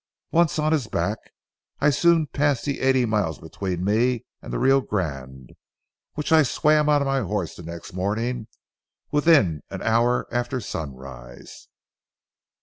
Once on his back, I soon passed the eighty miles between me and the Rio Grande, which I swam on my horse the next morning within an hour after sunrise.